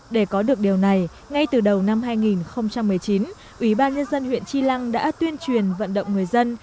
để có được điều này ngay từ đầu năm hai nghìn một mươi chín ủy ban nhân dân huyện chi lăng đã tuyên truyền vận động người dân